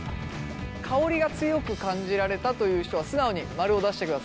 香りが強く感じられたという人は素直に「○」を出してください。